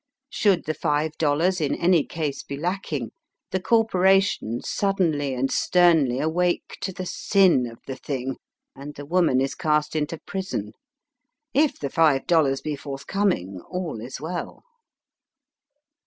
Should the five dollars in any case be lacking, the cor poration suddenly and sternly awake to the sin of the thing, and the woman is cast into prison^ If the five dollars be forthcoming all is well.